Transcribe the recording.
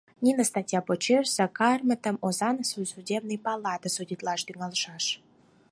Нине статья почеш Сакармытым Озаҥысе Судебный Палате судитлаш тӱҥалшаш.